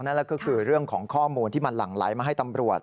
นั่นก็คือเรื่องของข้อมูลที่มันหลั่งไหลมาให้ตำรวจ